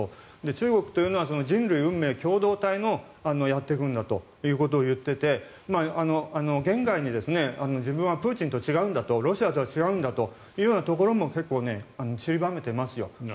中国というのは人類運命共同体でやっていくんだということを言っていて言外に自分はプーチンとは違うんだというところも結構ちりばめていますよ。